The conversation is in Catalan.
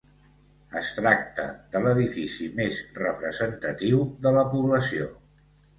Es tracta de l'edifici més representatiu de la població.